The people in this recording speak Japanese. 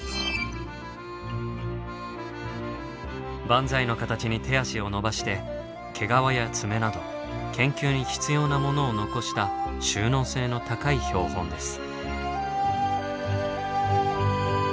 万歳の形に手足を伸ばして毛皮や爪など研究に必要なものを残した収納性の高い標本です。